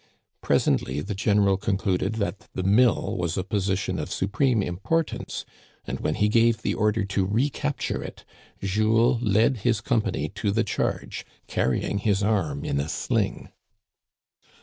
Presently the general con cluded that the mill was a position of supreme impor tance, and, when he gave the order to recapture it, Jules led his company to the charge, carrying his arm in a sling.